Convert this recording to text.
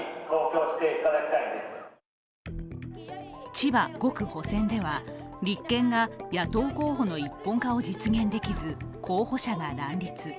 千葉５区補選では、立憲が野党候補の一本化を実現できず候補者が乱立。